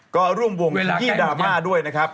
ก็ร่วมวงที่ดราม่าด้วยนะครับ